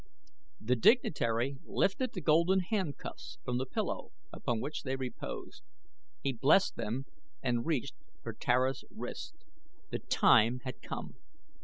The dignitary lifted the golden handcuffs from the pillow upon which they reposed. He blessed them and reached for Tara's wrist. The time had come!